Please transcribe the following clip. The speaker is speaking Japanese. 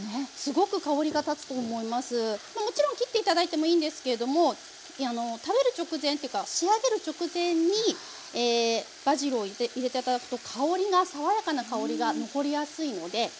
もちろん切って頂いてもいいんですけども食べる直前っていうか仕上げる直前にバジルを入れて頂くと爽やかな香りが残りやすいのでこのようにしています。